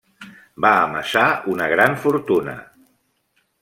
Va amassar una gran fortuna.